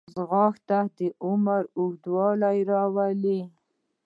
ځغاسته د عمر اوږدوالی راولي